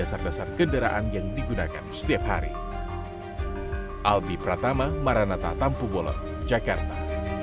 dan memahami dasar dasar kendaraan yang digunakan setiap hari